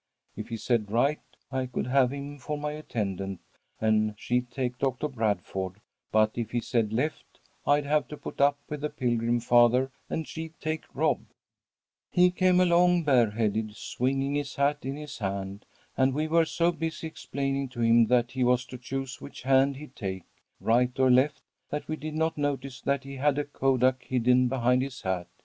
If he said right, I could have him for my attendant and she'd take Doctor Bradford, but if he said left I'd have to put up with the Pilgrim Father, and she'd take Rob. [Illustration: "'ALL YOU GIRLS STANDING WITH YOUR HANDS STUCK THROUGH THE BARS'"] "He came along bareheaded, swinging his hat in his hand, and we were so busy explaining to him that he was to choose which hand he'd take, right or left, that we did not notice that he had a kodak hidden behind his hat.